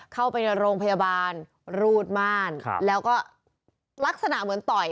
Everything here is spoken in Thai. เข้าไปในโรงพยาบาลรูดม่านแล้วก็ลักษณะเหมือนต่อย